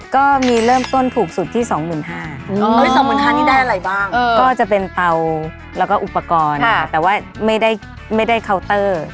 ก็มีเริ่มต้นถูกสุดที่๒๕๐๐๒๕๐๐นี่ได้อะไรบ้างก็จะเป็นเตาแล้วก็อุปกรณ์แต่ว่าไม่ได้เคาน์เตอร์